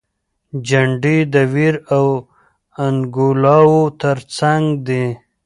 جنډې د ویر او انګولاوو تر څنګ دي.